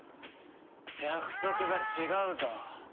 約束が違うぞ。